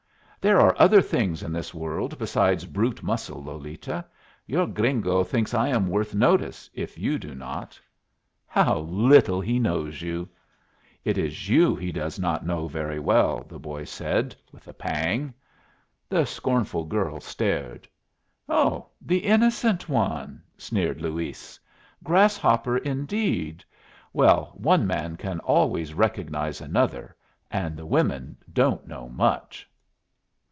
"There are other things in this world besides brute muscle, Lolita. Your gringo thinks I am worth notice, if you do not." "How little he knows you!" "It is you he does not know very well," the boy said, with a pang. The scornful girl stared. "Oh, the innocent one!" sneered Luis. "Grasshopper, indeed! Well, one man can always recognize another, and the women don't know much."